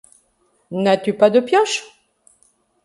N’as-tu pas des pioches ?